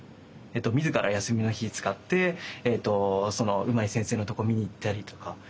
自ら休みの日使ってうまい先生のとこ見に行ったりとか。